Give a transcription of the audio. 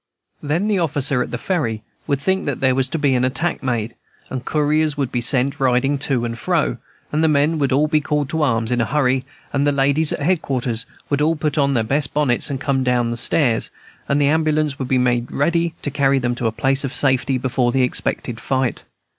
Then the officer at the Ferry would think that there was to be an attack made, and couriers would be sent, riding to and fro, and the men would all be called to arms in a hurry, and the ladies at headquarters would all put on their best bonnets and come down stairs, and the ambulance would be made ready to carry them to a place of safety before the expected fight.